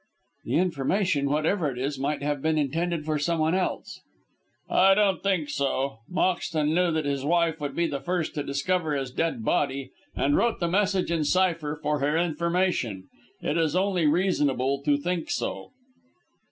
"The information, whatever it is, might have been intended for someone else." "I don't think so. Moxton knew that his wife would be the first to discover his dead body, and wrote the message in cypher for her information. It is only reasonable to think so."